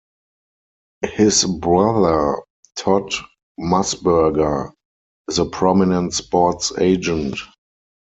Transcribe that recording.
His brother, Todd Musburger, is a prominent sports agent.